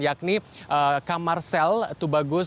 yakni kamar sel tubagung